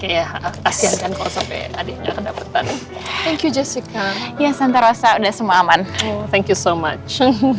kalau sampai adiknya kedapetan thank you jessica ya santa rossa udah semua aman thank you so much